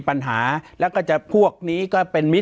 ปากกับภาคภูมิ